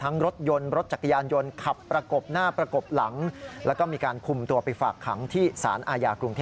ทั้งรถยนต์รถจักรยานยนต์